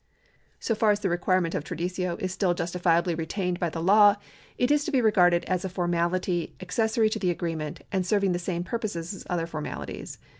So far as the requirement of traditio is still justifiably retained by the law, it is to be regarded as a formality accessory to the agreement, and serving the same purposes as other formalities.